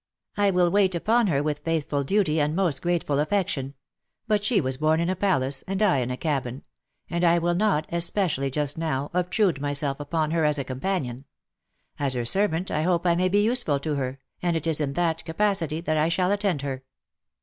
I will wait upon her with faithful duty and most grateful affection : but she was born in a palace, and I in a cabin ; and I will not, espe cially just now, obtrude myself upon her as a companion. As her servant I hope I may be useful to her, and it is in that capacity that I shall attend her."